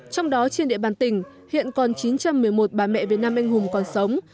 trong đó trên địa bàn tỉnh hiện còn chín trăm một mươi một bà mẹ việt nam anh hùng còn sống